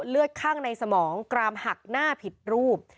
เลือดข้างในสมองกรามหักหน้าผิดรูป